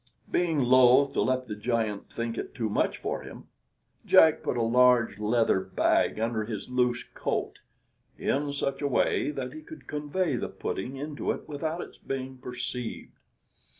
Being loth to let the giant think it too much for him, Jack put a large leather bag under his loose coat, in such a way that he could convey the pudding into it without its being perceived.